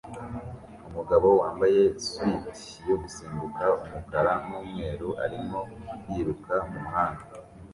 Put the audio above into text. Umugabo wambaye suite yo gusimbuka umukara n'umweru arimo yiruka mumuhanda